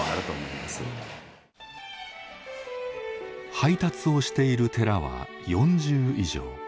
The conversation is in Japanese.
配達をしている寺は４０以上。